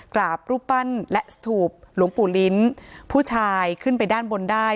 รูปปั้นและสถูปหลวงปู่ลิ้นผู้ชายขึ้นไปด้านบนได้